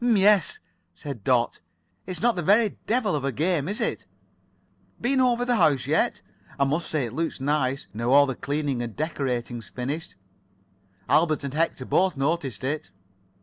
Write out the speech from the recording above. "M'yes," said Dot. "It's not the very devil of a game, is it? Been over the house yet? I must say it does look nice, now all the cleaning and decorating's finished. Albert and Hector both noticed it."